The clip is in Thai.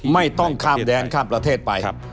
ที่อยู่ในประเทศไหนไม่ต้องข้ามแดนข้ามประเทศไป